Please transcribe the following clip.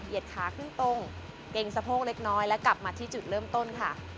ขาขึ้นตรงเกรงสะโพกเล็กน้อยและกลับมาที่จุดเริ่มต้นค่ะ